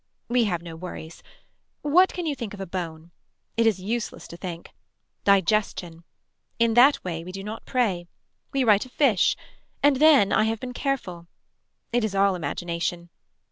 We have no worries. What can you think of a bone. It is useless to think. Digestion. In that way we do not prey. We write of fish. And then I have been careful. It is all imagination.